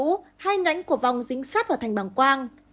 hai nhánh của vòng dính sắt vào thành bảng quang